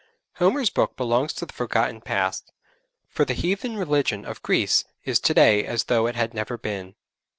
Homer's book belongs to the forgotten past, for the heathen religion of Greece is to day as though it had never been.